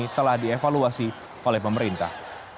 ketua fhi telah dievaluasi oleh pemerintah